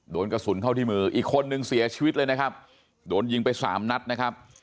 โดนกระสุนเข้าที่มืออีกคนนึงเสียชีวิตเลยนะครับโดนยิงไปสามนัดนะครับ